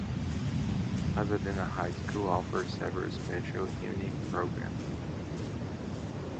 Pasadena High School offers several special unique programs.